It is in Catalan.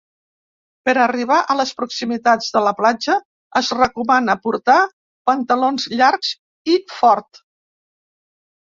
Per arribar a les proximitats de la platja es recomana portar pantalons llargs i fort.